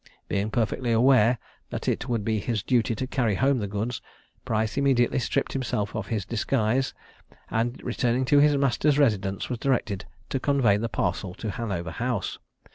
Being perfectly aware that it would be his duty to carry home the goods, Price immediately stripped himself of his disguise, and, returning to his master's residence, was directed to convey the parcel to Hanover House.